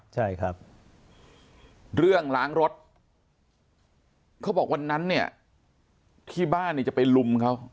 ใช่ครับเรื่องล้างรถเขาบอกวันนั้นเนี่ยที่บ้านเนี่ยจะไปลุมเขา